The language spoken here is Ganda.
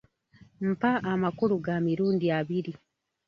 Mpa amakulu ga mirundi abiri.